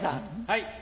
はい。